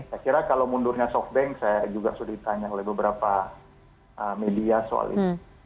saya kira kalau mundurnya softbank saya juga sudah ditanya oleh beberapa media soal itu